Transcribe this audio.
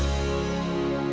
aku mau ke rumah